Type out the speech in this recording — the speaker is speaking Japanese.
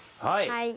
はい。